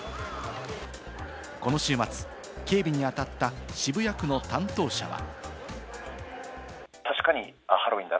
この週末、警備にあたった渋谷区の担当者は。